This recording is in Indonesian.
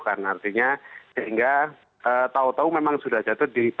karena artinya sehingga tahu tahu memang sudah jatuh